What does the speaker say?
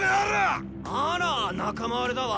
アラ仲間割れだわ。